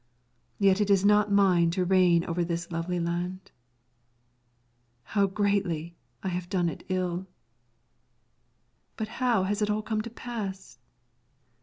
Yet it is not mine to reign over this lovely land. How greatly I have done it ill! But how has it all come so to pass?